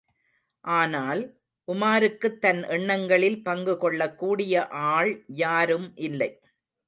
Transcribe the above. ஆனால், உமாருக்குத் தன் எண்ணங்களில் பங்கு கொள்ளக் கூடிய ஆள் யாரும் இல்லை.